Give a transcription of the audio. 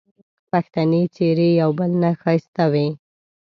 پښتني څېرې یو بل نه ښایسته وې